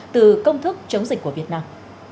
từ công thức chống dịch của việt nam